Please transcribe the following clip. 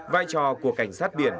vai trò của cảnh sát biển